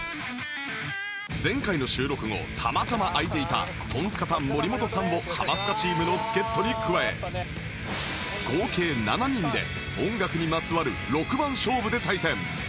前回の収録後たまたま空いていたトンツカタン森本さんもハマスカチームの助っ人に加え合計７人で音楽にまつわる六番勝負で対戦